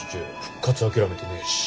復活諦めてねえし。